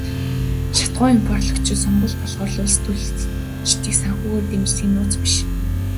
Шатахуун импортлогчид сонгууль болохоор л улстөрчдийг санхүүгээр дэмждэг нь нууц биш.